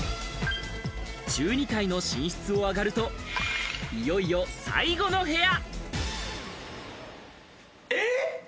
中２階の寝室を上がると、いよいよ最後の部屋。